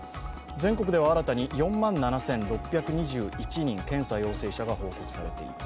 全国では新たに４万７６２１人検査陽性者が報告されています。